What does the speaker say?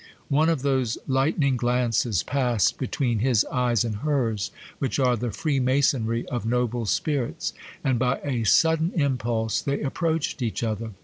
One of those lightning glances passed between his eyes and hers which are the freemasonry of noble spirits,—and, by a sudden impulse, they approached each other.